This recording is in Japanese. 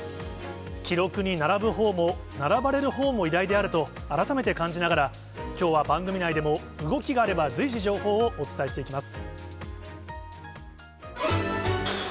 記録に並ぶほうも、並ばれるほうも偉大であると改めて感じながらきょうは番組内でも、動きがあれば随時情報をお伝えしていきます。